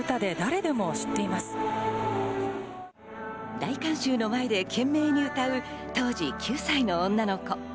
大観衆の前で懸命に歌う当時９歳の女の子。